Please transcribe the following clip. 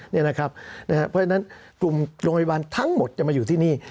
เพราะฉะนั้นกลุ่มโรงพยาบาลทั้งหมดจะมาอยู่ที่นี่